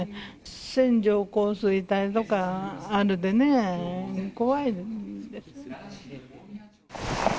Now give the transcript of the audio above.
線状降水帯とかあるでね、怖いです。